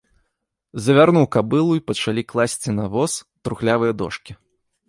Завярнуў кабылу і пачалі класці на воз трухлявыя дошкі.